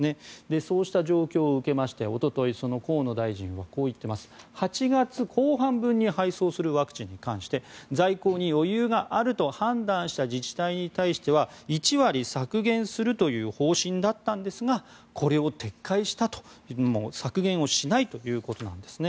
そうした状況を受けまして一昨日、河野大臣８月後半分に配送するワクチンに関して在庫に余裕があると判断した自治体に対しては１割削減するという方針だったんですがこれを撤回したと削減をしないということなんです。